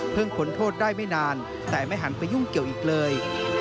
ผลโทษได้ไม่นานแต่ไม่หันไปยุ่งเกี่ยวอีกเลย